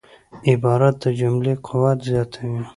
عبارت د جملې قوت زیاتوي.